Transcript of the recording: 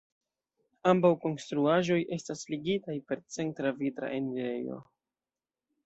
Ambaŭ konstruaĵoj estas ligitaj per centra vitra enirejo.